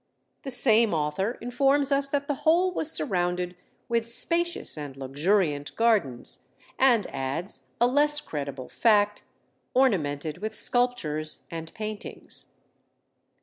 The same author informs us that the whole was surrounded with spacious and luxuriant gardens, and adds a less credible fact, ornamented with sculptures and paintings.